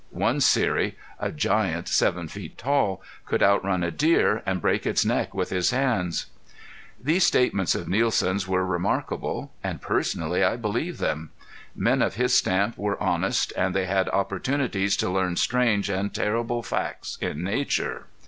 One Seri, a giant seven feet tall, could outrun a deer and break its neck with his hands. These statements of Nielsen's were remarkable, and personally I believed them. Men of his stamp were honest and they had opportunities to learn strange and terrible facts in nature.